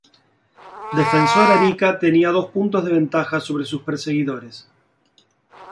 Defensor Arica tenía dos puntos de ventaja sobre sus perseguidores.